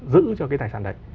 giữ cho cái tài sản đấy